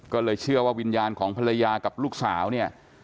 ก็เลยเชื่อว่าวิญญาณของภรรยากับลูกสาวเนี่ย